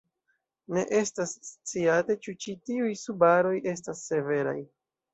Ne estas sciate ĉu ĉi tiuj subaroj estas severaj.